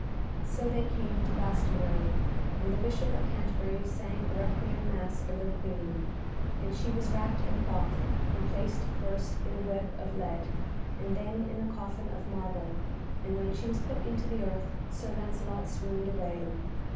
So they came to Glastonbury, and the Bishop of Canterbury sang a Requiem Mass over the Queen, and she was wrapped in cloth, and placed first in a web of lead, and then in a coffin of marble, and when she was put into the earth Sir Lancelot swooned away.